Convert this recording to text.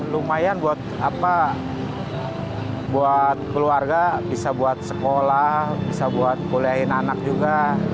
lumayan buat keluarga bisa buat sekolah bisa buat kuliahin anak juga